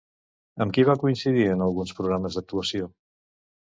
Amb qui va coincidir en alguns programes d'actuació?